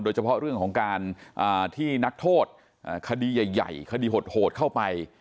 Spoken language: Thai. โดยเฉพาะเรื่องของการที่นักโทษคดีใหญ่คดีโหดเข้าไป